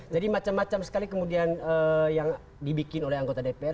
jadi macam macam sekali kemudian yang dibikin oleh anggota dpr